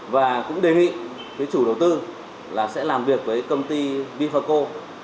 và cũng đề nghị với chủ đầu tư là sẽ làm việc với công ty bifaco